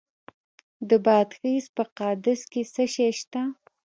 د بادغیس په قادس کې څه شی شته؟